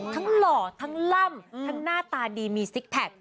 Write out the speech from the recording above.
หล่อทั้งล่ำทั้งหน้าตาดีมีซิกแพค